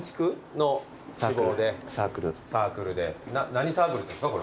何サークルっていうんですか？